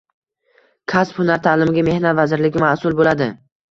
Kasb-hunar taʼlimiga Mehnat vazirligi masʼul boʻladi.